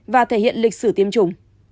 và thể hiện lịch sử tiêm chủng